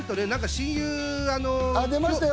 あっ、出ましたよ！